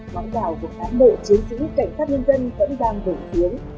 bóng đảo của cán bộ chiến sĩ cảnh sát nhân dân vẫn đang bổng tiến